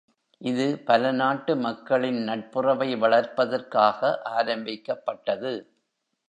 இது பல நாட்டு மக்களின் நட்புறவை வளர்ப்பதற்காக ஆரம்பிக்கப்பட்டது.